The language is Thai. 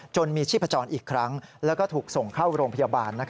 มีชีพจรอีกครั้งแล้วก็ถูกส่งเข้าโรงพยาบาล